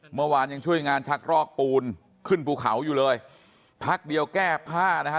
เมื่อวานยังช่วยงานชักรอกปูนขึ้นภูเขาอยู่เลยพักเดียวแก้ผ้านะฮะ